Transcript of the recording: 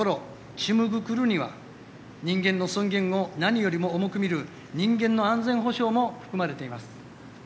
チムグクルには人間の尊厳を何よりも重く見る人間の安全保障も含まれています。